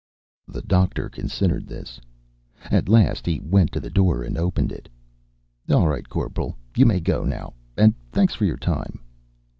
The Doctor considered this. At last he went to the door and opened it. "All right, Corporal. You may go now. And thanks for your time."